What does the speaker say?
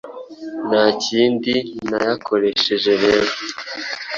"Nta kindi nayakoresheje rero